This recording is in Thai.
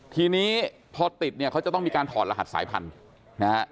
ทีนี้พอติดเขาจะต้องมีการถอดรหัสสายพันธุ์